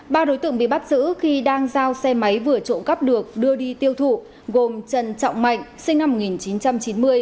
ba đối tượng bị bắt giữ khi đang giao xe máy vừa trộm cắp được đưa đi tiêu thụ gồm trần trọng mạnh sinh năm một nghìn chín trăm chín mươi